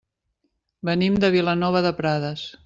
Venim de Vilanova de Prades.